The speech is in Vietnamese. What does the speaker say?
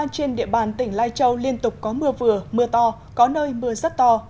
trên địa bàn tỉnh lai châu liên tục có mưa vừa mưa to có nơi mưa rất to